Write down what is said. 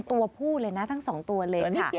ตัวผู้เลยนะทั้ง๒ตัวเลยค่ะ